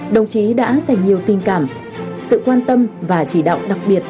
đồng chí đã dành nhiều tình cảm sự quan tâm và chỉ đạo đặc biệt